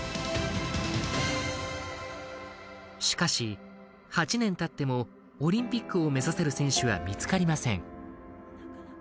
しかし、８年経ってもオリンピックを目指せる選手は見つかりません。